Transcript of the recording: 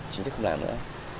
chính thức không làm nữa